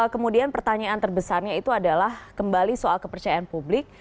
kemudian pertanyaan terbesarnya itu adalah kembali soal kepercayaan publik